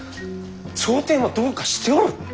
朝廷もどうかしておる！